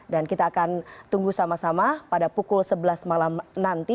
dan kita akan tunggu sama sama pada pukul sebelas malam nanti